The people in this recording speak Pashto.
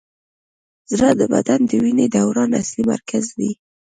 زړه د بدن د وینې دوران اصلي مرکز دی.